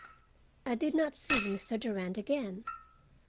I did not see Mr. Durand again.